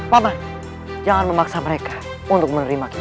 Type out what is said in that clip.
patah jangan memaksa mereka untuk menerima kita